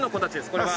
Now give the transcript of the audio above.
これは。